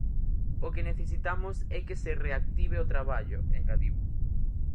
"O que necesitamos é que se reactive o traballo", engadiu.